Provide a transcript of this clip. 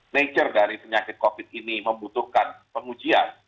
nature dari penyakit covid ini membutuhkan pengujian